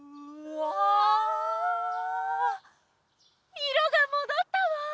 いろがもどったわ！